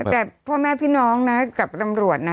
แต่พ่อแม่พี่น้องนะกับตำรวจนะ